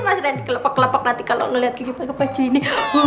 mas reni kelapa kelapa nanti kalau melihat gigi pakai baju ini